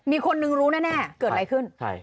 มีคนนึงรู้แน่เกิดอะไรขึ้น